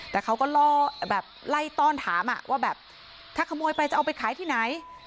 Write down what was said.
แต่เขาก็ล่อแบบไล่ต้อนถามว่าแบบถ้าขโมยไปจะเอาไปขายที่ไหน